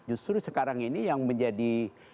justru sekarang ini yang menjadi